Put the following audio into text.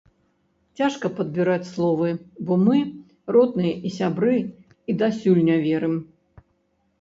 Цяжка падбіраць словы, бо мы, родныя і сябры, і дасюль не верым.